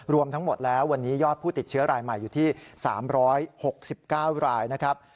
รวมทั้งหมดแล้ววันนี้ยอดผู้ติดเชื้อรายใหม่อยู่ที่สามร้อยหกสิบเก้ารายนะครับ